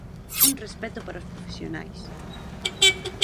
¡Un respecto para os profesionais!